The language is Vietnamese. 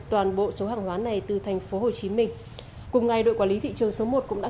toàn bộ số hàng hóa này từ thành phố hồ chí minh cùng ngày đội quản lý thị trường số một cũng đã